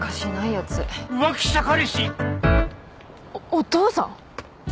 おお父さん。